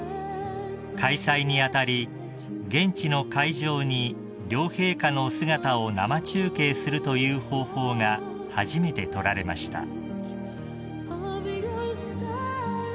［開催に当たり現地の会場に両陛下のお姿を生中継するという方法が初めて取られました］